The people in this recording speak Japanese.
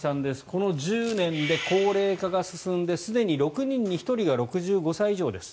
この１０年で高齢化が進んですでに６人に１人が６５歳以上です